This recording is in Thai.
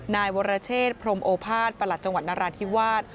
นายวรเชษพรมโอภาษย์ประหลัดจังหวัดนราธิวาส